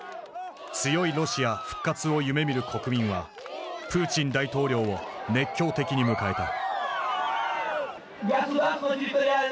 強いロシア復活を夢みる国民はプーチン大統領を熱狂的に迎えた。